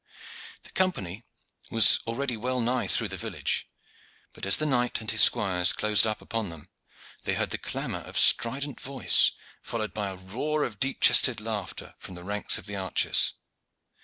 The Company was already well nigh through the village; but, as the knight and his squires closed up upon them, they heard the clamor of a strident voice, followed by a roar of deep chested laughter from the ranks of the archers.